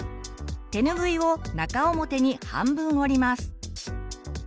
てぬぐいを中表に半分折ります。